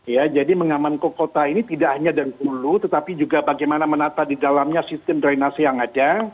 ya jadi mengamankan kota ini tidak hanya dari hulu tetapi juga bagaimana menata di dalamnya sistem drainase yang ada